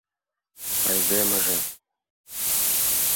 Айдемыже?..